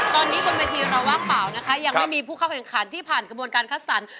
ตอนนี้บนเวทีเราว่างเปล่านะคะยังไม่มีผู้เข้าแข่งขันที่ผ่านกระบวนการคัดสรร